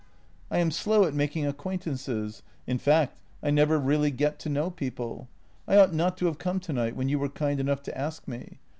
" I am slow at making acquaintances — in fact, I never really get to know people. I ought not to have come tonight, when you were kind enough to ask me.